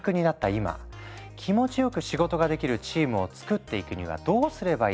今気持ち良く仕事ができるチームをつくっていくにはどうすればいいのか？